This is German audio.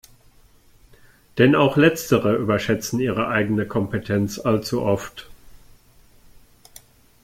Denn auch letztere überschätzen ihre eigene Kompetenz allzu oft.